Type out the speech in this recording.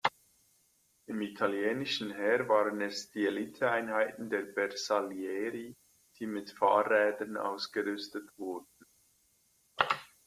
Im italienischen Heer waren es die Eliteeinheiten der Bersaglieri, die mit Fahrrädern ausgerüstet wurden.